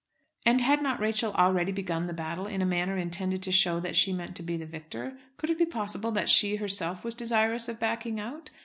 And had not Rachel already begun the battle in a manner intended to show that she meant to be the victor? Could it be possible that she herself was desirous of backing out.